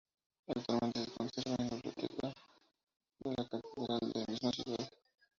Actualmente se conserva en la biblioteca de la catedral de la misma ciudad.